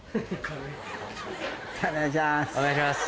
「お願いします！」。